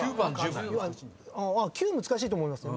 ９難しいと思いますよ。